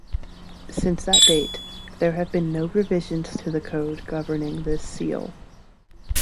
Since that date, there have been no revisions to the code governing this Seal.